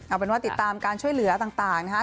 เอาเป็นว่าติดตามการช่วยเหลือต่างนะครับ